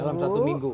dalam satu minggu